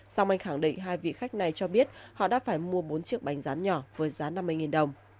song anh khẳng định hai vị khách này cho biết họ đã phải mua bốn chiếc bánh rán nhỏ với giá năm mươi đồng